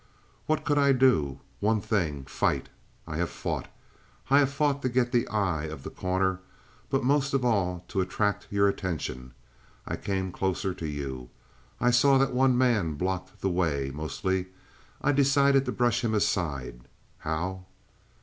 "What could I do? One thing; fight. I have fought. I fought to get the eye of The Corner, but most of all to attract your attention. I came closer to you. I saw that one man blocked the way mostly. I decided to brush him aside. How?"